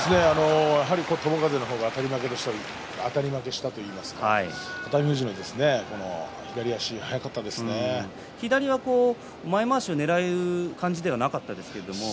友風の方があたり負けしたといいますか左は前まわしをねらう感じではなかったですね。